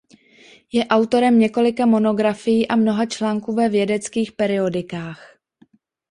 Je autorem několika monografií a mnoha článků ve vědeckých periodikách.